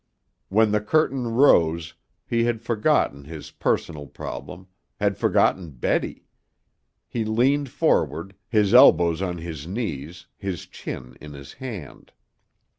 When the curtain rose, he had forgotten his personal problem, had forgotten Betty. He leaned forward, his elbows on his knees, his chin in his hand.